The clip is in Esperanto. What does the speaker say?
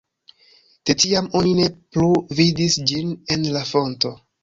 De tiam oni ne plu vidis ĝin en la fonto.